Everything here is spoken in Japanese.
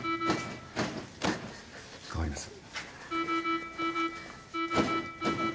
代わります。